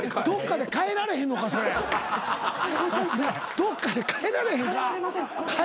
どっかで変えられへんか？